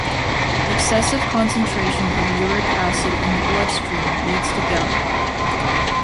Excessive concentration of uric acid in the blood stream leads to gout.